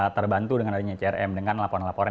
terbantu dengan adanya crm dengan laporan laporan